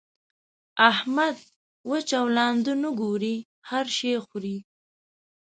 احمد؛ وچ او لانده نه ګوري؛ هر شی خوري.